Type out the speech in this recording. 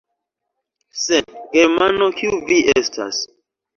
Sed, Germano, kiu vi estas!